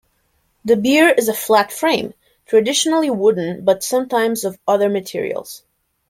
The bier is a flat frame, traditionally wooden but sometimes of other materials.